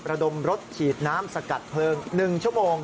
ระดมรถฉีดน้ำสกัดเพลิง๑ชั่วโมง